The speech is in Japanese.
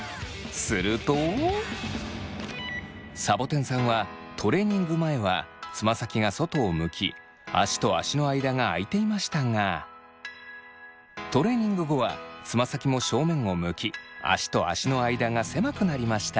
するとさぼてんさんはトレーニング前はつま先が外を向き足と足の間があいていましたがトレーニング後はつま先も正面を向き足と足の間が狭くなりました。